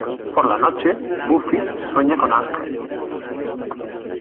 Por la noche, Buffy sueña con Ángel.